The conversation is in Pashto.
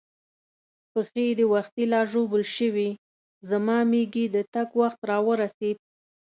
پښې دې وختي لا ژوبل شوې، زما مېږي د تګ وخت را ورسېد.